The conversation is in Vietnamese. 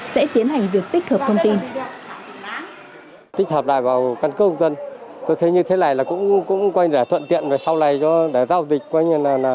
sẽ tiến hành việc tích hợp thông tin